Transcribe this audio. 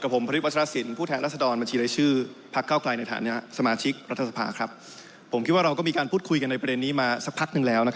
ผมคิดว่าเราก็มีการพูดคุยกันในประเด็นนี้มาสักพักหนึ่งแล้ว